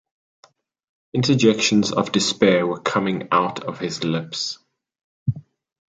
Interjections of despair were coming out of his lips.